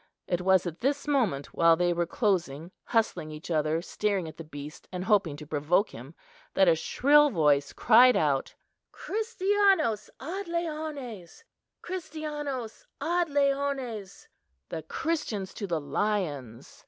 It was at this moment, while they were closing, hustling each other, staring at the beast, and hoping to provoke him, that a shrill voice cried out, "Christianos ad leones, Christianos ad leones!" the Christians to the lions!